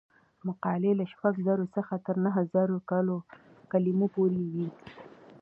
مقالې له شپږ زره څخه تر نهه زره کلمو پورې وي.